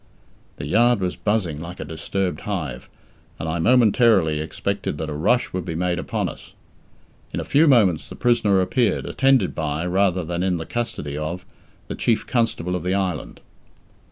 The yard was buzzing like a disturbed hive, and I momentarily expected that a rush would be made upon us. In a few moments the prisoner appeared, attended by, rather than in the custody of, the Chief Constable of the island.